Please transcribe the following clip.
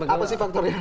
apa sih faktornya